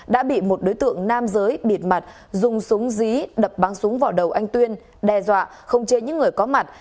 đã bị một đối tượng nam giới bịt mặt dùng súng dí đập băng súng vào đầu anh tuyên đe dọa không chế những người có mặt